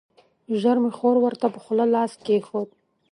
ژر مې خور ورته پر خوله لاس کېښود.